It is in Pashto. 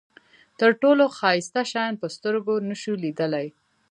تر ټولو ښایسته شیان په سترګو نشو لیدلای.